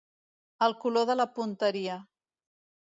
El color de la punteria.